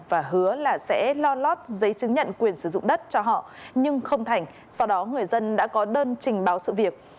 và hứa là sẽ lo lót giấy chứng nhận quyền sử dụng đất cho họ nhưng không thành sau đó người dân đã có đơn trình báo sự việc